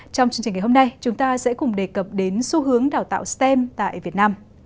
trong chương trình ngày hôm nay chúng ta sẽ cùng đề cập đến xu hướng đào tạo stem tại việt nam